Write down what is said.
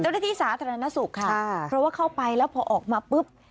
เจ้าหน้าที่สาธารณสุขค่ะค่ะเพราะว่าเข้าไปแล้วพอออกมาปุ๊บ